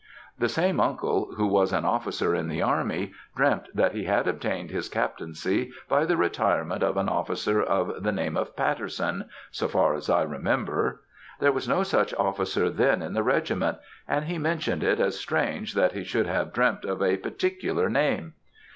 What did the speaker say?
The same uncle, who was an officer in the army, dreamt that he had obtained his captaincy by the retirement of an officer of the name of Patterson (so far as I remember.) There was no such officer then in the regiment, and he mentioned it as strange that he should have dreamt of a particular name.